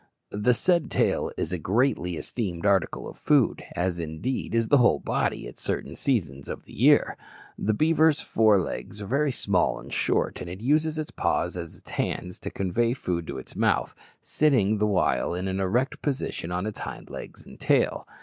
The said tail is a greatly esteemed article of food, as, indeed, is the whole body at certain seasons of the year. The beaver's fore legs are very small and short, and it uses its paws as hands to convey food to its mouth, sitting the while in an erect position on its hind legs and tail.